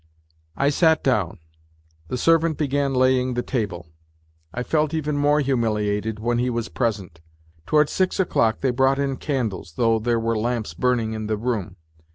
I sat down ; the servant began laying the table ; I felt even more humiliated when be was present. Towards six o'clock they brought in candles, though there were lamps burning in the room.